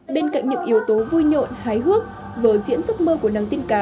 bên cạnh những yếu tố vui nhộn hái hước vở diễn giấc mơ của nàng tiên cá